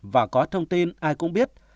và có thông tin ai cũng biết